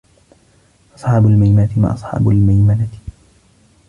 فَأَصحابُ المَيمَنَةِ ما أَصحابُ المَيمَنَةِ